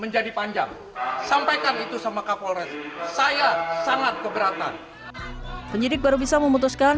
menjadi panjang sampaikan itu sama kapolres saya sangat keberatan penyidik baru bisa memutuskan